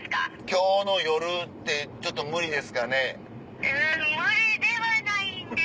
今日の夜ってちょっと無理ですかね？